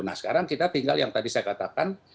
nah sekarang kita tinggal yang tadi saya katakan